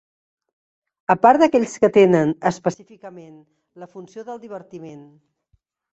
A part d’aquells que tenen, específicament, la funció del divertiment.